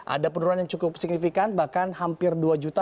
ada penurunan yang cukup signifikan bahkan hampir dua juta